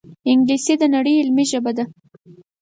انګلیسي د نړۍ علمي ژبه ده